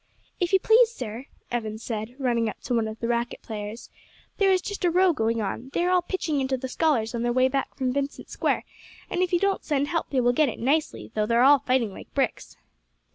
"If you please, sir," Evan said, running up to one of the racquet players, "there is just a row going on; they are all pitching into the scholars on their way back from Vincent Square, and if you don't send help they will get it nicely, though they are all fighting like bricks."